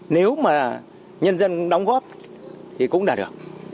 nếu mà nhân dân đóng góp thì cũng đã được